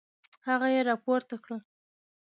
هغه يې راپورته کړه.